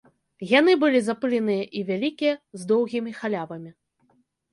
Яны былі запыленыя і вялікія, з доўгімі халявамі.